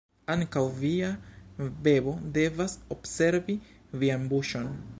Ankaŭ via bebo devas observi vian buŝon.